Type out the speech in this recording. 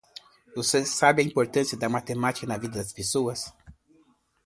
Você sabe a importância da matemática na vida das pessoas?